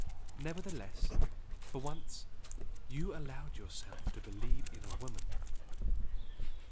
nevertheless, for once, you allowed yourself to believe in a woman!"